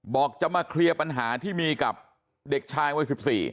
บอกจะมาเคลียร์ปัญหาที่มีกับเด็กชายวัย๑๔